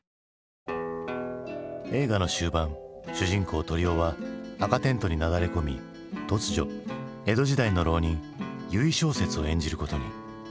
映画の終盤主人公鳥男は紅テントになだれ込み突如江戸時代の浪人「由井正雪」を演じることに。